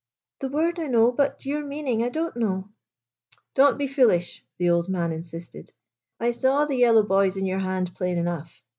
" The word I know, but your meaning I don't know." " Don't be foolish," the old man insisted. " I saw the yellow boys in your hand plain enough.